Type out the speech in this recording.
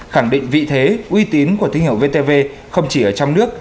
khẳng định vị thế uy tín của thí nghiệm vtv không chỉ ở trong nước